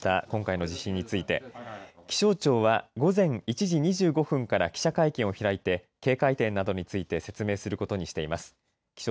今回の地震について気象庁は午前１時２５分から記者会見を開いて警戒点などについて説明することにしています。